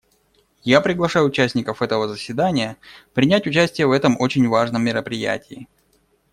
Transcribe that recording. Я приглашаю участников этого заседания принять участие в этом очень важном мероприятии.